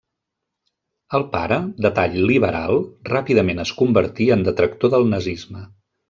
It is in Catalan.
El pare, de tall liberal, ràpidament es convertí en detractor del nazisme.